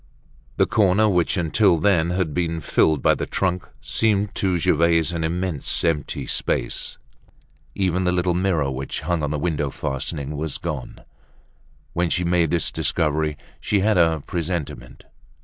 The corner which until then had been filled by the trunk seemed to Gervaise an immense empty space. Even the little mirror which hung on the window fastening was gone. When she made this discovery, she had a presentiment.